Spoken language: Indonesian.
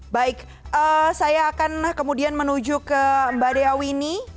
baik saya akan kemudian menuju ke mbak deawini